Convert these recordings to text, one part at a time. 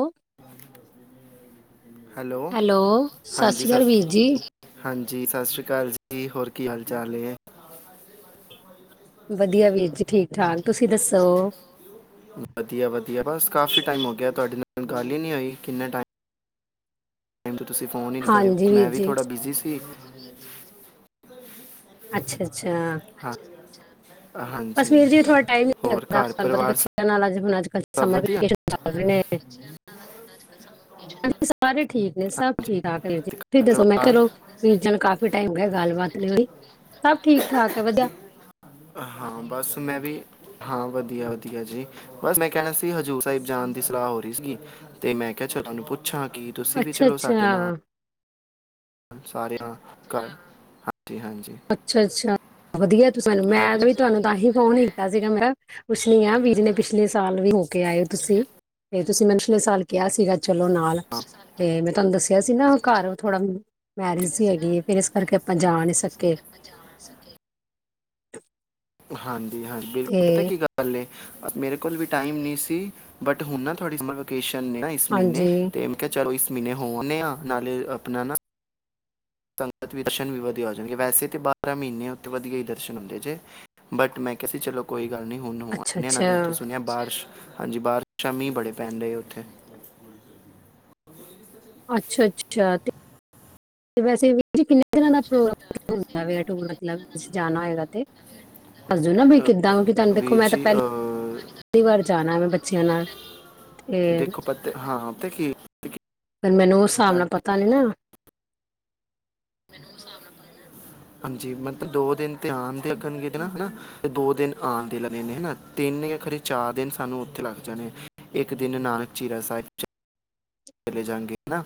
ਉਹ। ਹੈਲੋ ਸਤਿ ਹਾਂਜੀ ਸ੍ਰੀ ਸਰ ਅਕਾਲ ਵੀਰ ਜੀ। ਹਾਂਜੀ ਸਤਿ ਸ਼੍ਰੀ ਅਕਾਲ ਜੀ। ਹੋਰ ਕੀ ਹਾਲ ਚਾਲ ਐ? ਵਧੀਆ ਵੀਰ ਜੀ ਠੀਕ ਠਾਕ। ਤੁਸੀਂ ਦੱਸੋ? ਵਧੀਆ ਵਧੀਆ ਬਸ ਕਾਫੀ ਟਾਈਮ ਹੋ ਗਿਆ ਤੁਹਾਡੇ ਨਾਲ ਗੱਲ ਹੀ ਨਹੀਂ ਹੋਈ ਕਿੰਨੇ ਟਾਈਮ [unintelligible] ਤੁਸੀਂ ਫ਼ੋਨ ਹੀ ਨਹੀਂ ਕਰਓ ਹਾਂਜੀ ਮੈਂ ਵੀਰ ਵੀ ਜੀ, ਥੋੜ੍ਹਾ ਬਿਜ਼ੀ ਸੀ। [inaudible] ਅੱਛਾ। ਅੱਛਾ। ਹਾਂ ਬਸ ਹਾਂਜੀ ਵੀਰ ਜੀ ਥੋੜਾ ਟਾਈਮ ਈ ਨੀ ਹੋਰ ਲੱਗਦਾ ਘਰ ਤੁਹਾਨੂੰ ਪਤਾ ਪਰਿਵਾਰ ਸਭ ਬੱਚਿਆ ਨਾਲ ਆਂਜ ਹੁਣ ਅੱਜ ਕੱਲ ਸਮਰ ਵਧੀਆ ਵੈਕੇਸ਼ਨ ਚਲ ਰਹੇ ਨੇ ਹਜੀ ਸਾਰੇ ਠੀਕ। ਨੇ ਸਭ। ਜੀ ਠੀਕ ਠਾਕ ਵੀਰ ਜੀ ਤੇ ਤੁਸੀਂ ਘਰ ਦੱਸੋ ਮੈਂ ਪਰਿਵਾਰ ਚਲੋ ਵੀਰਜੀ ਨੂੰ ਕਾਫੀ ਟਾਈਮ ਹੋਗਿਆ ਗੱਲਬਾਤ ਨਹੀਂ ਹੋਈ ਸਭ ਠੀਕ। ਠਾਕ ਹੈ ਵਧੀਆ। ਹਾਂ ਬਸ ਮੈਂ ਵੀ ਹਾਂ ਵਧੀਆ ਵਧੀਆ ਜੀ ਬਸ ਮੈਂ ਕਹਿਣਾ ਸੀ ਹਜ਼ੂਰ ਸਾਹਿਬ ਜਾਣ ਦੀ ਸਲਾਹ ਹੋ ਰਹੀ ਸੀਗੀ ਤੇ ਮੈਂ ਕਿਹਾ ਉਹਨੂੰ ਪੁੱਛ ਪੁੱਛਾਂ ਕੀ ਤੁਸੀਂ ਵੀ ਅੱਛਾ ਚਲੋ ਸਾਡੇ ਨਾਲ। ਅੱਛਾ, ਸਾਰਿਆਂ ਘਰ। ਅੱਛਾ ਅੱਛਾ ਵਧੀਆ ਤੁਸੀ ਮੈਂ ਵੀ ਹੈਗਾ ਤੁਹਾਨੂੰ ਤਾਂ ਹੀ ਫੋਨ ਕੀਤਾ ਸੀਗਾ ਮੈਂ ਪੁੱਛਣੀ ਆ ਵੀਰ ਜੀ ਨੇ ਪਿਛਲੇ ਸਾਲ ਵੀ ਹੋਕੇ ਆਏ ਹੋ ਤੁਸੀਂ ਤੇ ਤੁਸੀਂ ਮੈਨੂੰ ਪਿਛਲੇ ਸਾਲ ਕਿਹਾ ਸੀ। ਸੀਗਾ ਚਲੋ ਨਾਲ ਤੇ ਮੈਂ ਤੁਹਾਨੂੰ ਦੱਸਿਆ ਸੀ ਨਾ ਘਰ ਥੋੜਾ ਮੈਰਿਜ ਸੀ ਹੈਗੀ, ਫੇਰ ਇਸ ਕਰਕੇ ਆਪਾਂ ਜਾ ਨੀ ਸਕ [inaudible] [inaudible] ਤੁਹਾਨੂੰ ਜੀ ਹਾਂਜੀ, ਬਿਲਕੁਲ ਪਤਾ ਕੀ ਗੱਲ ਏ। ਮੇਰੇ ਕੋਲ ਵੀ ਟਾਈਮ ਨਹੀਂ ਸੀ, ਬਟ ਹੁਣ ਨਾ ਤੁਹਾਡੀ ਸਮਰ ਵਕੇਸ਼ਨ ਏ ਨ ਇਸ ਮਹੀਨੇ ਹਾਂਜੀ ਤੇ ਮੈਂ ਕਿਹਾ ਚਲੋ ਇਸ ਮਹੀਨੇ ਹੋ ਆਨੇ ਆ ਨਾਲੇ ਆਪਣਾ ਨਾ ਸੰਗਤ ਦੇ ਦਰਸ਼ਨ ਵੀ ਵਧੀਆ ਹੋ ਜਾਣਗੇ, ਵੈਸੇ ਤੇ ਬਾਰਾਂ ਮਹੀਨੇ ਉੱਥੇ ਵਧੀਆ ਹੀ ਦਰਸ਼ਨ ਹੁੰਦੇ, ਜੇ ਬਟ ਮੈਂ ਕਿਹਾ ਸੀ ਚਲੋ ਕੋਈ ਗਲ ਨੀ, ਹੁਣ ਹੋ ਅੱਛਾ ਆਣੇ ਆ ਨਾਲੇ ਅੱਛਾ ਉੱਥੇ ਸੁਣਿਆ ਬਾਰਿਸ਼ ਹਾਂਜੀ ਬਾਰਸ਼ਾ ਮੀਂਹ ਬੜੇ ਪੈਂਣ ਡਏ ਉੱਥੇ ਅੱਛਾ- ਅੱਛਾ, ਤੇ ਵੈਸੇ ਵੀ ਕਿੰਨੇ ਦਿਨਾਂ ਦਾ ਪ੍ਰੋਗਰਾਮ ਜਾਨਾ ਦੇ ਟੂਰ ਮਤਲਬ ਤੁਸੀ ਜਾਣਾ ਹੋਏਗਾ ਤੇ ਦੱਸਦੋ ਨ ਭੀ ਅਹ ਕਿੱਦਾਂ ਕਿ ਤੁਹਾਨੂੰ ਦੇਖੋ ਵੀਰ ਮੈਂ ਤਾਂ ਜੀ ਅਹ ਪਹਿਲੀ-ਪਹਿਲੀ ਵਾਰ ਜਾਣਾ ਵੇ ਬੱਚਿਆਂ ਨਾਲ ਤੇ ਦੇਖੋ ਪਤਾ ਹਾਂ ਪਤਾ ਕੀ ਕੀ ਫਿਰ ਮੈਨੂੰ ਉਸ ਹਿਸਾਬ ਗੱਲ ਨਾਲ ਪਤਾ ਨੀ ਨਾ ਹਾਂਜੀ ਮਤਲਬ ਦੋ ਦਿਨ ਤੇ ਆਣ ਦੇ ਲੱਗਣਗੇ ਤੇ ਨ ਹੈਨਾ ਦੋ ਦਿਨ ਆਣ ਦੇ ਲੱਗਣੇ ਨੇ ਹੈਨਾ ਤਿੰਨ ਖਰੇ ਚਾਰ ਦਿਨ ਸਾਨੂੰ ਉੱਥੇ ਲੱਗ ਜਾਣੇ, ਇੱਕ ਦਿਨ ਨਾਨਕ ਚੀਰਾ ਸਾਹਿਬ। ਚਲੇ ਜਾਣਗੇ ਨ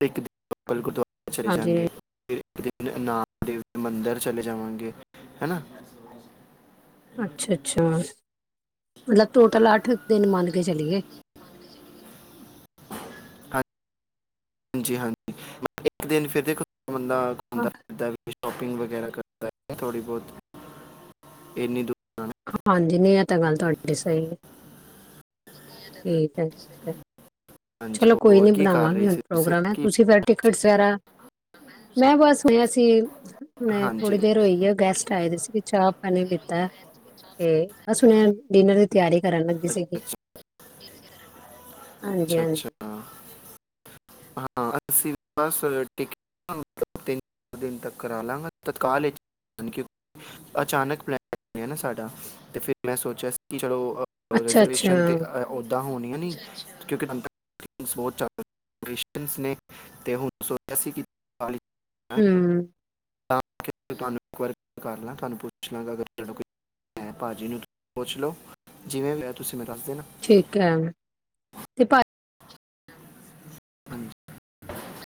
ਤੇ ਇਕ ਦਿਨ ਬਿਲਕੁਲ ਜੋ ਚਲੇ ਹਾਂਜੀ ਜਾਣਗੇ ਫੇਰ ਇਕ ਦਿਨ ਨਾਲ ਦੇ ਮੰਦਿਰ ਚਲੇ ਜਾਵਾਂਗੇ ਹੈਨਾ। ਅੱਛਾ-ਅੱਛਾ ਮਤਲਬ ਟੋਟਲ ਅੱਠ ਦਿਨ ਮੰਨ ਕੇ ਚਲੀਏ। ਹਾਂਜੀ-ਹਾਂਜੀ, ਇੱਕ ਦਿਨ ਫਿਰ ਦੇਖੋ ਬੰਦਾ ਹਾਂ- ਘੁੰਮਦਾ ਫਿਰਦਾ, ਸ਼ੌਪਿੰਗ ਵਗੈਰਾ ਕਰਦਾ ਥੋੜ੍ਹੀ ਬਹੁਤ, ਇੰਨੀ ਦੂਰ ਹਾਂਜੀ ਨਹੀਂ ਇਹ ਤਾਂ ਗੱਲ ਤੁਹਾਡੀੇ ਸਹੀ ਜਾਣਾ। ਐ ਠੀਕ ਹੈ, ਠੀਕ ਹੈ। ਹਾਂਜੀ ਚਲੋ ਕੋਈ ਹੋਰ ਨੀ ਕੀ ਕਰ ਬਣਾਵਾਂਗੇ ਰਹੇ ਹੁਣ ਸੀ ਤੁਸੀਂ ਪ੍ਰੋਗਰਾਮ ਨ ਕੀ ਤੁਸੀਂ ਫਿਰ ਟਿ ਇਸ ਐਰਾ [inaudible] ਮੈਂ ਬਸ ਹੋਇਆ ਸੀ ਫੇਰ ਤੇ ਮੈਂ ਹਾਂਜੀ ਥੋੜ੍ਹੀ ਦੇਰ ਹੋਈ ਆ ਗੈਸਟ ਆਏ ਦੇ ਸੀ ਚਾਹ ਨੀ ਦਿਤਾ ਤੇ ਬਸ ਹੁਣ ਡਿਨਰ ਦੀ ਤਿਆਰੀ ਕਰਨ ਲੱਗੀ ਸੀ ਅੱਛਾ ਗੀ, ਅੱਛਾ ਅੱਛਾ ਅੱਛਾ ਹਾਂਜੀ-ਹਾਂਜੀ। [unintelligible] ਹਾਂ ਅਸੀਂ ਬਸ ਟਿਕਟ ਤਿੰਨ ਦਿਨ ਤੱਕ ਕਰਾ ਲਾਗਾਂ ਤਤਕਾਲ ਚ ਕਿਉਂਕਿ ਅਚਾਨਕ ਪਲੈਨ ਬਣਿਆ ਨਾ ਸਾਡਾ ਤੇ ਫਿਰ ਮੈਂ ਸੋਚਿਆ ਸੀ ਕਿ ਚਲੋ ਅੱਛਾ ਅੱਛਾ ਰਿਜ਼ਰਵੇਸ਼ਨ ਤਾਂ ਓਦਾਂ ਹੋਣੀਆ ਨੀ ਕਿਉਂਕਿ [unintelligible] ਕ੍ਰਸ਼ਸ਼ਨਸ [unintelligible] ਨੇ ਤੇਹ ਉੱਨੀ ਸੌ ਬਰਾਸੀ ਦੀਾਲ [unintelligible] ਹਮ ਤੁਹਾਨੂੰ ਵਾਰ ਕਰ ਲਾਂ ਤੁਹਾਨੂੰ ਪੁੱਛ ਲਾਂ ਅਗ ਤੁ ਭਾਜੀ ਨੂੰ ਪੁੱਛ ਲੋ ਜਿਵੇਂ ਤੁਸੀਂ ਮ ਠੀਕ ਹੈ ਤੇ ਭ ਹਾਂਜੀ